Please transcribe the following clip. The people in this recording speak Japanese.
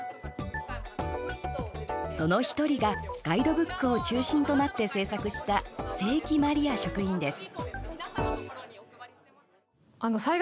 その１人がガイドブックを中心となって制作した清木まりあ職員です。